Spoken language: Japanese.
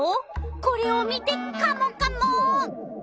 これを見てカモカモ！